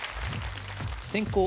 先攻